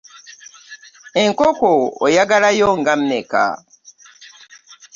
Enkoko oyagalayo nga mmeka?